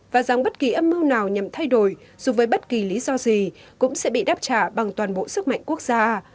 và rằng bất kỳ âm mưu nào nhằm thay đổi dù với bất kỳ lý do gì cũng sẽ bị đáp trả bằng toàn bộ sức mạnh quốc gia